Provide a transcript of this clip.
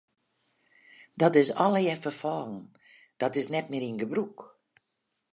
Dat is allegear ferfallen, dat is net mear yn gebrûk.